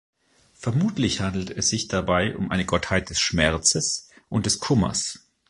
Vermutlich handelt es sich dabei um eine Gottheit des Schmerzes und des Kummers.